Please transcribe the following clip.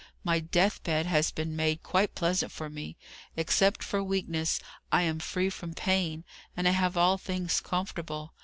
My death bed has been made quite pleasant for me. Except for weakness, I am free from pain, and I have all things comfortable.